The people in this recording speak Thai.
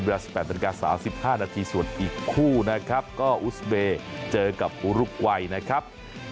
เวลา๑๘นาฬิกา๓๕นาทีส่วนอีกคู่นะครับก็อุสเบย์เจอกับอุรุกวัยนะครับ